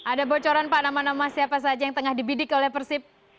ada bocoran pak nama nama siapa saja yang tengah dibidik oleh persib